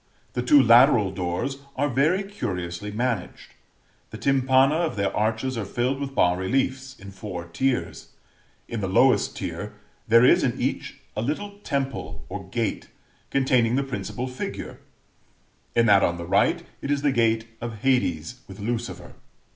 The two lateral doors are very curiously managed. The tympana of their arches are filled with bas reliefs, in four tiers; in the lowest tier there is in each a little temple or gate containing the principal figure (in that on the right, it is the gate of Hades with Lucifer).